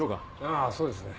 あぁそうですね。